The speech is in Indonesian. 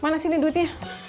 mana sih ini duitnya